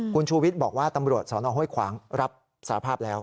คุณชูวิทย์บอกว่าตำรวจสนห้วยขวางรับสาภาพแล้ว